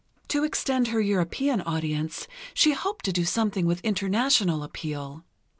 To extend her European audience, she hoped to do something with international appeal.